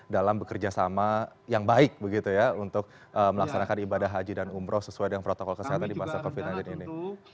dalam bekerja sama yang baik begitu ya untuk melaksanakan ibadah haji dan umroh sesuai dengan protokol kesehatan di masa covid sembilan belas ini